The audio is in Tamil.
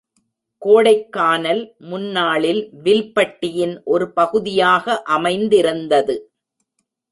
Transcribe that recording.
கோடைக்கானல், முன்னாளில் வில்பட்டியின் ஒரு பகுதியாக அமைந்திருந்தது.